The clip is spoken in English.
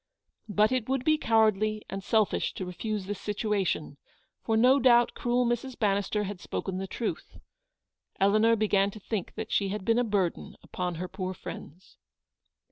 But it would be cowardly and selfish to refuse this situation, for no doubt cruel Mrs. Bannister had spoken the truth. Eleanor began to think that she had been a burden upon her poor friends.